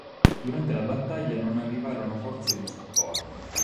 Durante la battaglia non arrivarono forze di supporto.